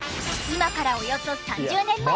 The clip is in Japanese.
今からおよそ３０年前。